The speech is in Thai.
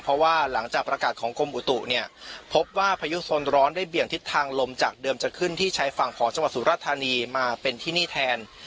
เพราะว่าหลังจากประกาศของกรมอุตุเนี่ยพบว่าพายุโซนร้อนได้เบี่ยงทิศทางลมจากเดิมจะขึ้นที่ชายฝั่งของจังหวัดสุรธานีมาเป็นที่นี่แทน